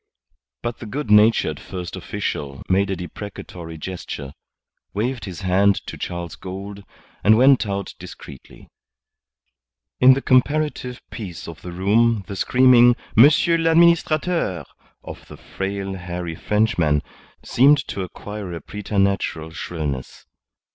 But the good natured First Official made a deprecatory gesture, waved his hand to Charles Gould, and went out discreetly. In the comparative peace of the room the screaming "Monsieur l'Administrateur" of the frail, hairy Frenchman seemed to acquire a preternatural shrillness.